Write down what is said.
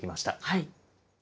はい。